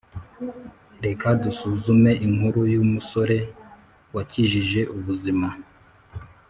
Reka dusuzume inkuru y’umusore wakijije ubuzima